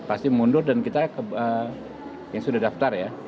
pasti mundur dan kita yang sudah daftar ya